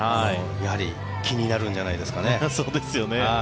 やはり気になるんじゃないですかね。